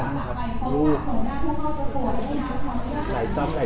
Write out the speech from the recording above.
ไหลซ้อยมากเราจะให้กำหนดใจลูกอย่างเนี้ย